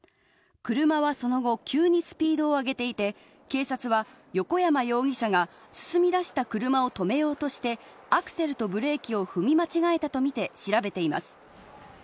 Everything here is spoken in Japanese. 車はその後、急にスピードを上げていて、警察は横山容疑者が進み出した車を止めようとしてアクセルとブレーキを踏み間違えたとみて調べています。